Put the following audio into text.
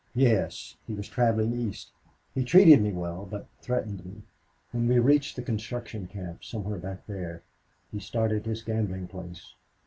"Yes. He was traveling east. He treated me well, but threatened me. When we reached the construction camp, somewhere back there, he started his gambling place.